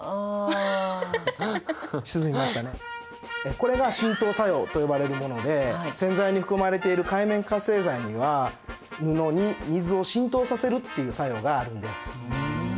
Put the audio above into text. これが浸透作用と呼ばれるもので洗剤に含まれている界面活性剤には布に水を浸透させるっていう作用があるんです。